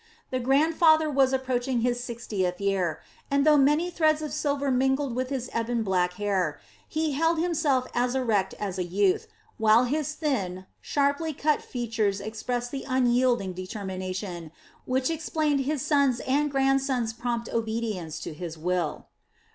The grandfather was approaching his sixtieth year, and though many threads of silver mingled with his ebon black hair, he held himself as erect as a youth, while his thin, sharply cut features expressed the unyielding determination, which explained his son's and grandson's prompt obedience to his will.